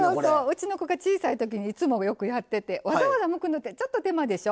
うちの子が小さいときにいつもよくやっててわざわざむくのってちょっと手間でしょ。